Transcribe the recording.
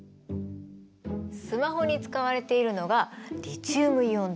スマホに使われているのがリチウムイオン電池。